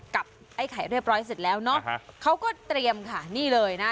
กับไอ้ไข่เรียบร้อยเสร็จแล้วเนอะเขาก็เตรียมค่ะนี่เลยนะ